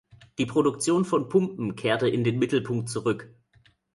Die Produktion von Pumpen kehrte in den Mittelpunkt zurück.